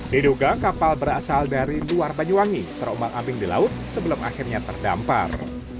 diduga kapal berasal dari luar banyuwangi terombang ambing di laut sebelum akhirnya terdampar